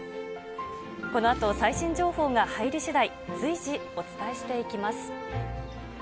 このあと最新情報が入り次第随時お伝えしていきます。